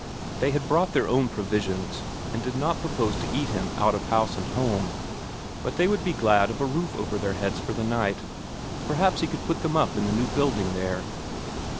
They had brought their own provisions, and did not propose to eat him out of house and home, but they would be glad of a roof over their heads for the night. Perhaps he could put them up in the new building there?